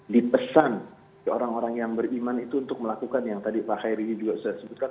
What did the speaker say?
di pesan orang orang yang beriman itu untuk melakukan yang tadi pak huwir rizi juga sudah sebutkan